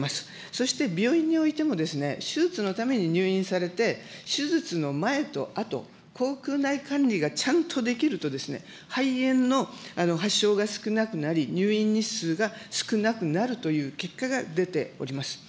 そして病院においてもですね、手術のために入院されて、手術の前と後、口くう内管理がちゃんとできると、肺炎の発症が少なくなり、入院日数が少なくなるという結果が出ております。